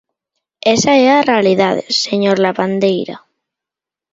Esa é a realidade, señor Lavandeira.